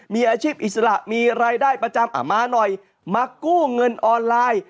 มีอาชีพอิสระมีรายได้ประจำมาหน่อยมากู้เงินออนไลน์